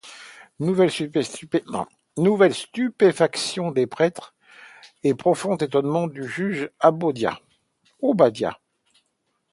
Nouvelle stupéfaction des prêtres, et profond étonnement du juge Obadiah.